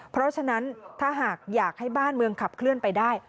เพราะฉะนั้นถ้าหากอยากให้บ้านเมืองขับเคลื่อนไปได้